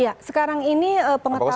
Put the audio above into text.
ya sekarang ini pengetahuan